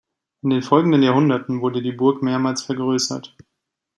In den folgenden Jahrhunderten wurde die Burg mehrmals vergrößert.